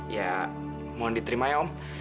ya mohon diterima ya om